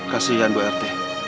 kasian ibu rt